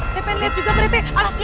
siapa yang lihat juga berarti